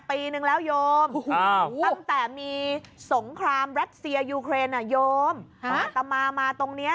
ปีหนึ่งแล้วยโยมอ้าวตั้งแต่มีสงครามยูเครนอะโยมอาตมามาตรงเนี้ย